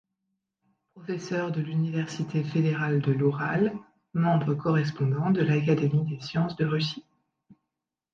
Professeur de l'Université fédérale de l'Oural, membre correspondant de l'Académie des Sciences de Russie.